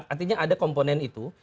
artinya ada komponen itu